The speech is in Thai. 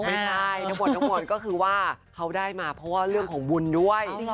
ไม่ใช่ทั้งหมดทั้งมวลก็คือว่าเขาได้มาเพราะว่าเรื่องของบุญด้วย